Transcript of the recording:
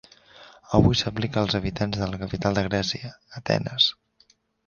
Avui s'aplica als habitants de la capital de Grècia, Atenes.